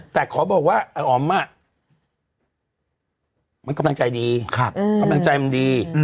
แต่ขอบอกว่าไอ้อ๋อมมันกำลังใจดีกำลังใจมันดี